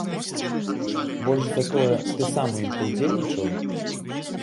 Больш за тое, ты сам у ім паўдзельнічаў?